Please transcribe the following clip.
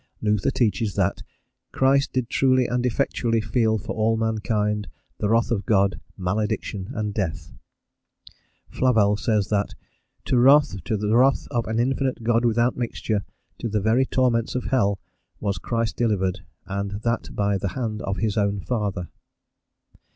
Luther teaches that "Christ did truly and effectually feel for all mankind, the wrath of God, malediction and death." Flavel says that "to wrath, to the wrath of an infinite God without mixture, to the very torments of hell, was Christ delivered, and that by the hand of his own father."